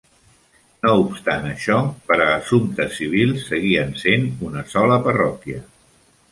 No obstant això, per a assumptes civils seguien sent una sola parròquia.